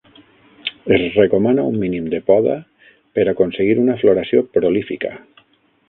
Es recomana un mínim de poda per aconseguir una floració prolífica.